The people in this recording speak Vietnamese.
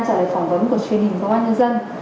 trả lời phỏng vấn của truyền hình công an nhân dân